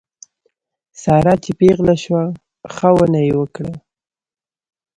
ساره چې پېغله شوه ښه ونه یې وکړه.